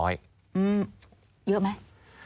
เยอะไหม